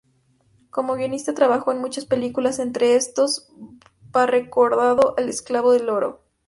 Como guionista trabajó en muchas películas, entre estos va recordado El esclavo del oro.